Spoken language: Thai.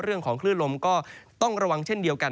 เรื่องของคลื่นลมก็ต้องระวังเช่นเดียวกัน